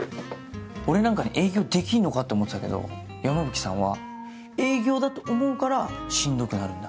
俺なんかに営業できんのかって思ってたけど山吹さんは「営業だと思うからしんどくなるんだ。